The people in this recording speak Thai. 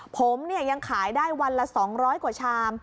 ผมยังขายได้วันละ๒๐๐กว่าชาม